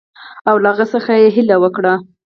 او له هغه څخه یې هیله وکړه.